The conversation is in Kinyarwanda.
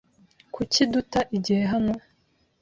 Kuki duta igihe hano?